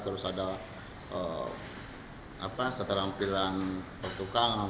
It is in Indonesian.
terus ada keterampilan petukangan